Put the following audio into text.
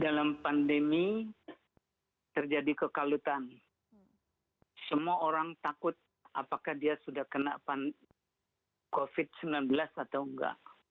dalam pandemi terjadi kekalutan semua orang takut apakah dia sudah kena covid sembilan belas atau enggak